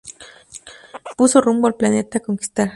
Puso rumbo al planeta a conquistar.